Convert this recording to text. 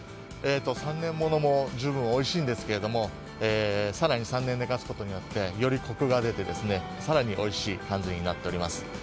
３年ものも十分おいしいんですけど更に３年寝かすことによって、よりこくが出て、更においしい感じになっております。